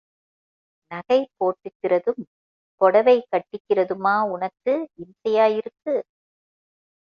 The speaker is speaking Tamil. நகை போட்டுக்கிறதும் பொடவை கட்டிக்கிறதுமா உனக்கு, இம்சையாயிருக்கு?